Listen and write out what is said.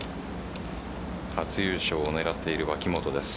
初優勝を狙っている脇元です。